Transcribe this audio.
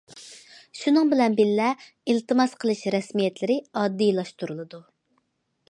شۇنىڭ بىلەن بىللە، ئىلتىماس قىلىش رەسمىيەتلىرى ئاددىيلاشتۇرۇلىدۇ.